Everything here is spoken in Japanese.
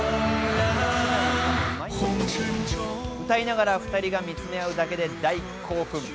歌いながら２人が見つめ合うだけで大興奮。